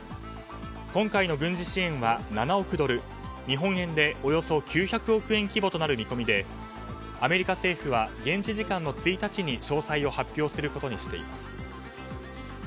今回の軍事支援は７億ドル日本円でおよそ９００億円規模になる見込みでアメリカ政府は現地時間の１日に詳細を発表することにしています。